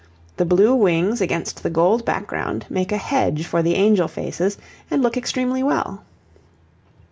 The blue wings against the gold background make a hedge for the angel faces and look extremely well.